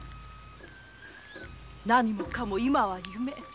何もかも今は夢。